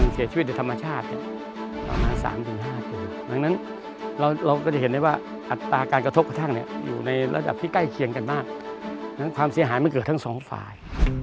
เพราะฉะนั้นความเสียหายมันเกิดทั้งสองฝ่าย